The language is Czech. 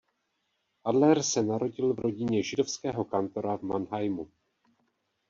Adler se narodil v rodině židovského kantora v Mannheimu.